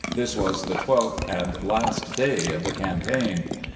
This was the tweKth and last day of the campaign.